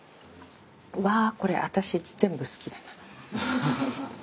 うわこれ私全部好きだ。